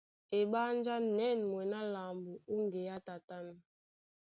Eɓánjá na ɛ̂n mwɛ̌n á lambo ó ŋgeá tatân.